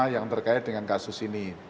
yang terkait dengan kasus ini